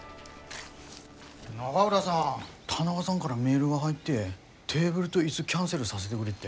永浦さん田中さんがらメールが入ってテーブルと椅子キャンセルさせでくれって。